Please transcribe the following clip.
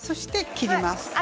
切ります。